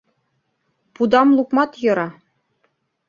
Пудам лукмат йӧра...